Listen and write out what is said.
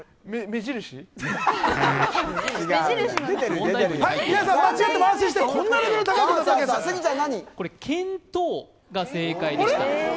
見当が正解でした。